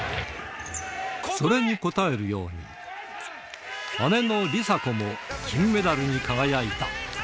それに応えるように、姉の梨紗子も金メダルに輝いた。